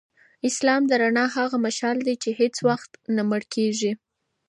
اسلام د رڼا هغه مشعل دی چي هیڅ وختنه مړ کیږي.